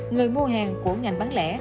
người mua hàng của ngành bán lẻ